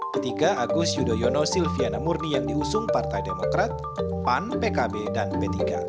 ketiga agus yudhoyono silviana murni yang diusung partai demokrat pan pkb dan p tiga